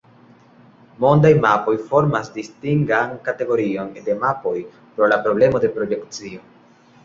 Mondaj mapoj formas distingan kategorion de mapoj pro la problemo de projekcio.